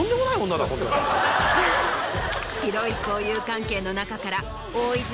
広い交友関係の中から。